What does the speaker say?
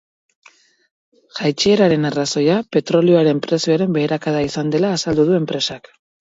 Jaitsieraren arrazoia petrolioaren prezioaren beherakada izan dela azaldu du enpresak.